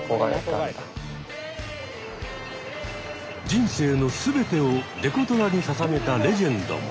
人生の全てをデコトラに捧げたレジェンドも。